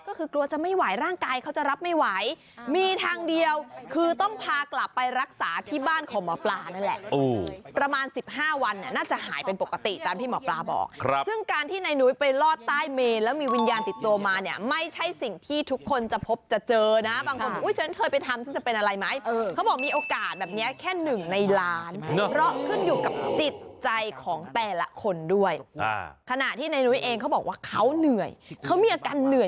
ก็คือกลัวจะไม่ไหวร่างกายเขาจะรับไม่ไหวมีทางเดียวคือต้องพากลับไปรักษาที่บ้านของหมอปลานั่นแหละโอ้ประมาณสิบห้าวันน่าจะหายเป็นปกติตามที่หมอปลาบอกครับซึ่งการที่นายนุ้ยไปรอดใต้เมนแล้วมีวิญญาณติดตัวมาเนี่ยไม่ใช่สิ่งที่ทุกคนจะพบจะเจอนะครับบางคนบอกอุ๊ยเฉยนั้นเธอไปทำซึ่ง